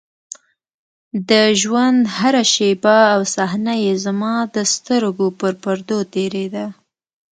د ژونـد هـره شـيبه او صحـنه يـې زمـا د سـترګو پـر پـردو تېـرېده.